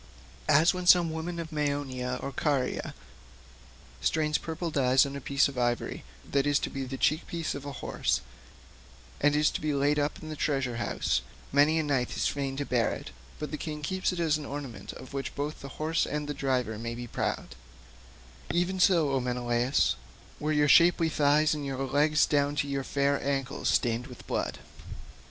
As when some woman of Meonia or Caria strains purple dye on to a piece of ivory that is to be the cheek piece of a horse, and is to be laid up in a treasure house—many a knight is fain to bear it, but the king keeps it as an ornament of which both horse and driver may be proud—even so, O Menelaus, were your shapely thighs and your legs down to your fair ancles stained with blood.